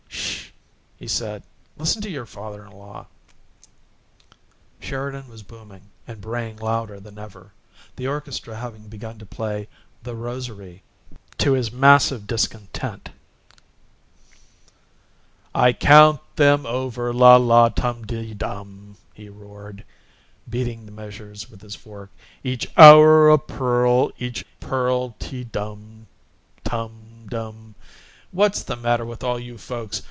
"SH!" he said. "Listen to your father in law." Sheridan was booming and braying louder than ever, the orchestra having begun to play "The Rosary," to his vast content. "I COUNT THEM OVER, LA LA TUM TEE DUM," he roared, beating the measures with his fork. "EACH HOUR A PEARL, EACH PEARL TEE DUM TUM DUM What's the matter with all you folks?